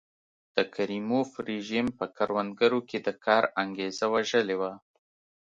د کریموف رژیم په کروندګرو کې د کار انګېزه وژلې وه.